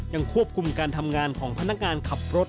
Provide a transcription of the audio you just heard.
ยังควบคุมการทำงานของพนักงานขับรถ